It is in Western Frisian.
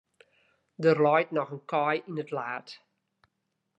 Der leit noch in kaai yn it laad.